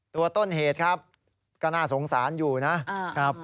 ต้นเหตุครับก็น่าสงสารอยู่นะครับ